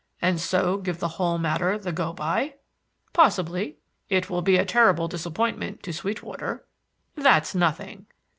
"And so give the whole matter the go by?" "Possibly." "It will be a terrible disappointment to Sweetwater." "That's nothing."